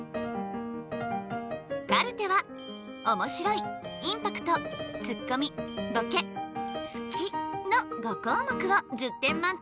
カルテはおもしろいインパクトツッコミボケ好きの５項目を１０点満点で評価。